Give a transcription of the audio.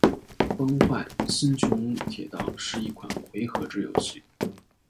《崩坏：星穹铁道》是一款回合制游戏。